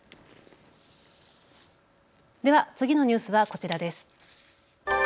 では次のニュースはこちらです。